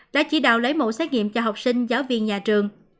đã chỉ đạo lấy mẫu xét nghiệm cho học sinh giáo viên nhà trường